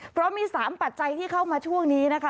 เพราะมี๓ปัจจัยที่เข้ามาช่วงนี้นะคะ